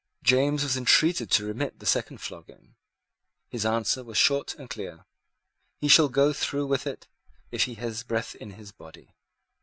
James was entreated to remit the second flogging. His answer was short and clear: "He shall go through with it, if he has breath in his body."